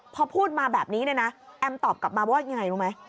พอพูดมาแบบนี้เนี่ยนะแอมตอบกลับมาว่ายังไงรู้ไหม